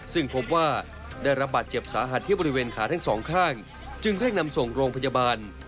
ซึ่งพบว่าได้รับบาดเจ็บสาหัสที่บริเวณขาทั้งสองข้างจึงเร่งนำส่งโรงพยาบาล